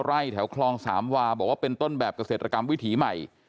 ไร่แถวคลองสามวาบอกว่าเป็นต้นแบบเกษตรกรรมวิถีใหม่